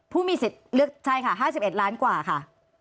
ผู้มีสิทธิ์เลือกใช่ค่ะ๕๑ล้านกว่าค่ะ